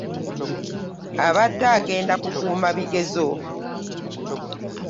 Abadde agenda kukuuma bigezo.